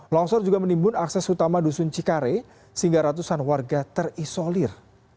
longsor juga menimbun akses utama dusun cikare sehingga ratusan warga terisolir